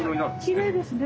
きれいですね。